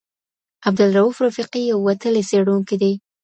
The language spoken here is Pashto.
عبدالروف رفیقي یو وتلی څېړونکی دی.